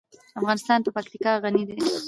افغانستان په پکتیا غني دی.